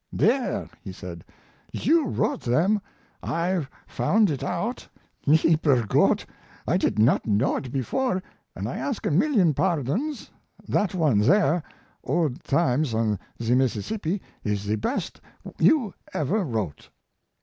"There," he said; "you wrote them. I've found it out. Lieber Gott! I did not know it before, and I ask a million pardons. That one there, Old Times on the Mississippi, is the best you ever wrote."